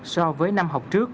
so với năm học trước